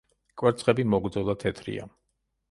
კვერცხები მოგრძო და თეთრია.